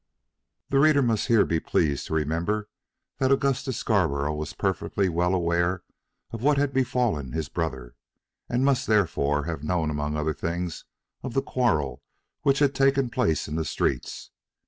The reader must here be pleased to remember that Augustus Scarborough was perfectly well aware of what had befallen his brother, and must, therefore, have known among other things of the quarrel which had taken place in the streets.